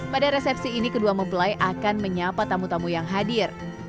pada resepsi ini kedua mempelai akan menyapa tamu tamu yang hadir